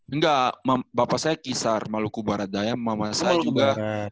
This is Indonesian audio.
enggak bapak saya kisar maluku barat daya mama saya juga